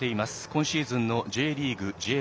今シーズンのＪリーグ。